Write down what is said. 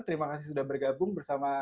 terima kasih sudah bergabung bersama